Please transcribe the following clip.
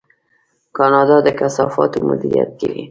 کاناډا د کثافاتو مدیریت کوي.